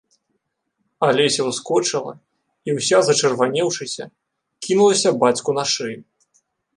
Алеся ўскочыла і, уся зачырванеўшыся, кінулася бацьку на шыю.